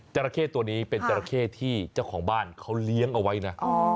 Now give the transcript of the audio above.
ราเข้ตัวนี้เป็นจราเข้ที่เจ้าของบ้านเขาเลี้ยงเอาไว้นะ